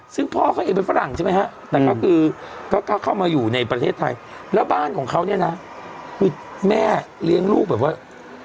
ซึ่งพ่อเขาเองเป็นฝรั่งใช่ไหมฮะแต่ก็คือก็เข้ามาอยู่ในประเทศไทยแล้วบ้านของเขาเนี่ยนะคือแม่เลี้ยงลูกแบบว่า